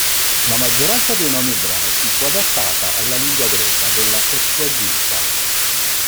La maggioranza dei nomi ebraici fu adattata alla lingua greca della Septuaginta.